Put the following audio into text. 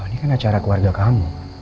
ini kan acara keluarga kamu